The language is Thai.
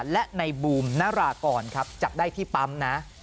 และในบูมนารากรครับจับได้ที่ปั๊มนะ